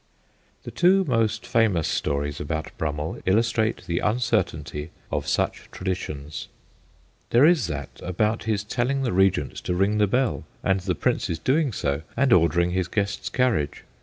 The two most famous stories about Brum mell illustrate the uncertainty of such traditions. There is that about his telling the Regent to ring the bell, and the Prince's doing so and ordering his guest's carriage.